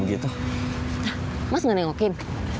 begitu mas nengokin